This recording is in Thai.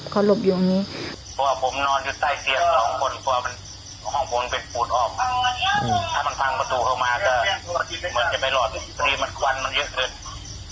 เขาหลบเขาหลบอยู่อย่างนี้เพราะว่าผมนอนอยู่ใต้เตียงของคนกว่ามันของผมเป็นปูดออกอืม